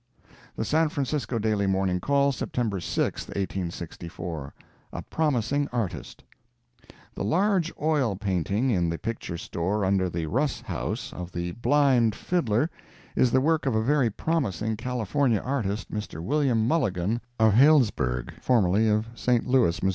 The San Francisco Daily Morning Call, September 6, 1864 A PROMISING ARTIST The large oil painting in the picture store under the Russ House, of the "Blind Fiddler," is the work of a very promising California artist, Mr. William Mulligan, of Healdsburg, formerly of St. Louis, Mo.